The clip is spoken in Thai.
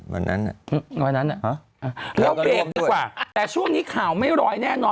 วันนั้นแล้วเปลี่ยนดีกว่าแต่ช่วงนี้ข่าวไม่ลอยแน่นอน